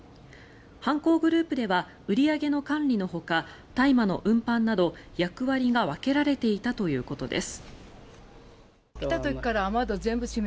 犯行グループでは売り上げの管理のほか大麻の運搬など役割が分けられていたということです。